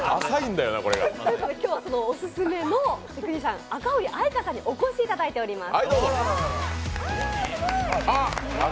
今日はオススメの赤堀愛果さんにお越しいただいています。